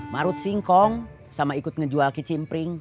marut singkong sama ikut menjual kicimpring